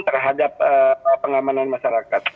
terhadap pengamanan masyarakat